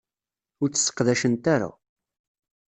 Ur tt-sseqdacent ara.